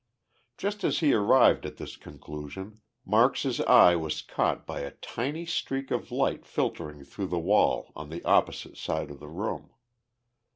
Just as he arrived at this conclusion Marks' eye was caught by a tiny streak of light filtering through the wall on the opposite side of the room.